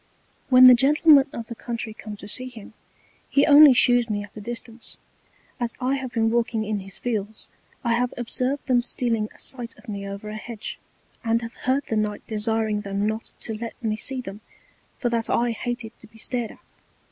When the Gentlemen of the Country come to see him, he only shews me at a distance: As I have been walking in his Fields I have observed them stealing a Sight of me over an Hedge, and have heard the Knight desiring them not to let me see them, for that I hated to be stared at.